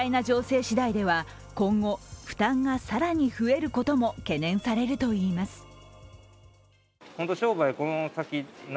情勢次第では今後、負担が更に増えることも懸念されるといいます。